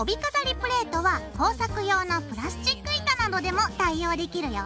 プレートは工作用のプラスチック板などでも代用できるよ。